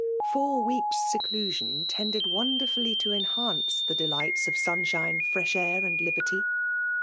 Four weeks* seclusion tended wonderfully to enhance the delights of sun shine, fresh air, and liberty.